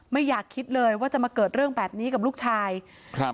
ไม่อยากคิดเลยว่าจะมาเกิดเรื่องแบบนี้กับลูกชายครับ